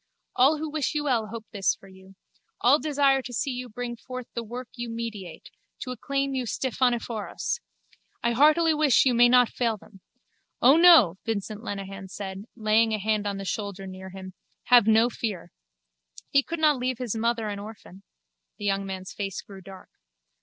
All who wish you well hope this for you. All desire to see you bring forth the work you meditate, to acclaim you Stephaneforos. I heartily wish you may not fail them. O no, Vincent Lenehan said, laying a hand on the shoulder near him. Have no fear. He could not leave his mother an orphan. The young man's face grew dark.